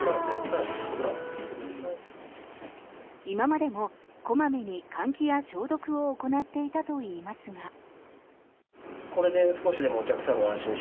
今までも小まめに換気や消毒を行っていたといいますが。